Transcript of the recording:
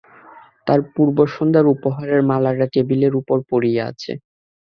তার পূর্বসন্ধ্যার উপহারের মালাটা টেবিলের উপর পড়িয়া আছে।